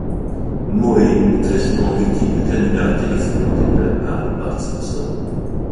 Moe est très souvent victime de canulars téléphoniques de la part de Bart Simpson.